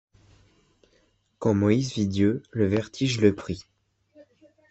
Quand Moïse vit Dieu, le vertige le prit ;